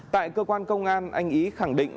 tại cơ quan công an anh ý khẳng định